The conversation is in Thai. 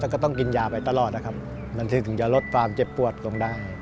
ก็ต้องกินยาไปตลอดนะครับมันถึงจะลดความเจ็บปวดลงได้